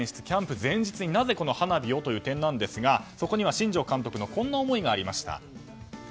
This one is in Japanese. キャンプ前日になぜこの花火をという点ですがそこには新庄監督のこんな思いがありました。